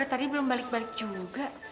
tadi belum balik balik juga